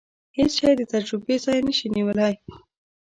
هیڅ شی د تجربې ځای نشي نیولای.